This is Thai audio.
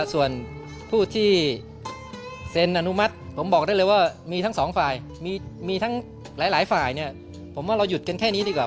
ส่วนผู้ที่เซ็นอนุมัติผมบอกได้เลยว่ามีทั้งสองฝ่ายมีทั้งหลายฝ่ายเนี่ยผมว่าเราหยุดกันแค่นี้ดีกว่า